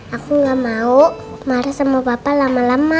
aku gak mau marah sama bapak lama lama